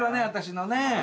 私のね。